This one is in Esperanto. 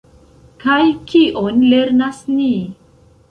Kaj kion lernas ni?